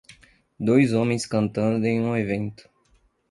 Dois homens cantando em um evento.